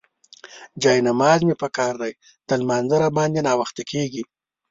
جاینماز مې پکار دی، د لمانځه راباندې ناوخته کيږي.